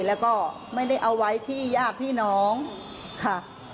แล้วก็ไม่ได้เอาไว้ที่ญาติพี่น้องค่ะ